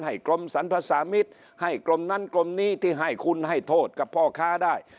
กรมสรรพสามิตรให้กรมนั้นกรมนี้ที่ให้คุณให้โทษกับพ่อค้าได้